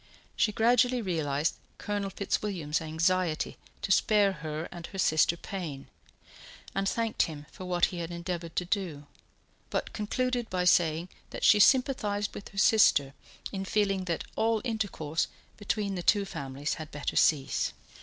She gradually realized Colonel Fitzwilliam's anxiety to spare her and her sister pain, and thanked him for what he had endeavoured to do; but concluded by saying that she sympathized with her sister in feeling that all intercourse between the two families had better cease.